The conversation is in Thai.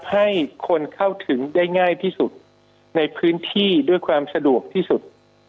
ให้คนเข้าถึงได้ง่ายที่สุดในพื้นที่ด้วยความสะดวกที่สุด